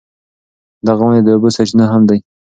دغه ونې د اوبو سرچینه هم دي.